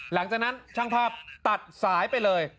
หลังจากนั้นช่างภาพตัดสายไปเลย